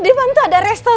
di depan tuh ada resto